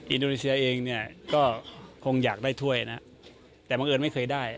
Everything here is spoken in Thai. อินโดนิเซียเองเนี่ยก็คงด้วยถ้วยนะเดี๋ยวเอิญไม่เคยได้